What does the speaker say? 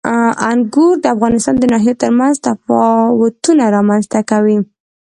انګور د افغانستان د ناحیو ترمنځ تفاوتونه رامنځ ته کوي.